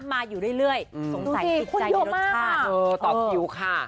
มาอยู่เรื่อยเรื่อยอืมดูสิคนเยอะมากสงสัยติดใจในรสชาติเออต่อคิวค่ะ